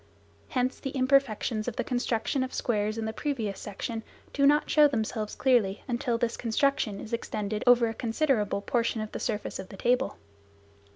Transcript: Hence the imperfections of the construction of squares in the previous section do not show themselves clearly until this construction is extended over a considerable portion of the surface of the table.